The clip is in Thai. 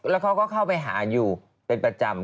แล้วเขาก็เข้าไปหาอยู่เป็นประจำ